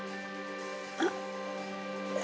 あっ。